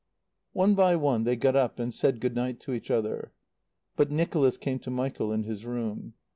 One by one they got up and said "Good night" to each other. But Nicholas came to Michael in his room.